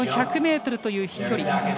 １００ｍという飛距離。